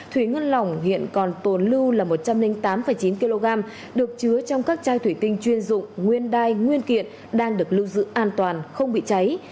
thủy ngân lỏng hiện còn tồn lưu là một trăm linh tám chín kg được chứa trong các chai thủy tinh chuyên dụng nguyên đai nguyên kiện đang được lưu giữ an toàn không bị cháy